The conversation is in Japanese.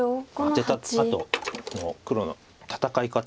アテたあとの黒の戦い方です